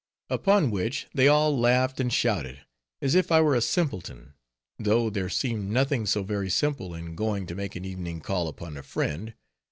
Upon which they all laughed and shouted, as if I were a simpleton; though there seemed nothing so very simple in going to make an evening call upon a friend.